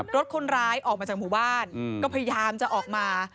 รถคนร้ายออกมาจากหมู่บ้านก็พยายามจะออกมา